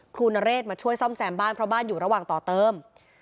นเรศมาช่วยซ่อมแซมบ้านเพราะบ้านอยู่ระหว่างต่อเติม